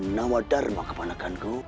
nama dharma kepanakanku